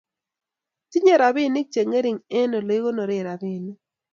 Tinyei robinik chengering eng olegigonoren eobinik